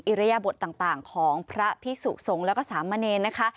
ริยบทต่างของพระพิสุสงฆ์แล้วก็สามเณรนะคะ